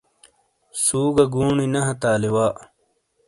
سُو گہ گُونی نے ہتے آلی وا۔